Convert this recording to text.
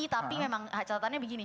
tapi memang catatannya begini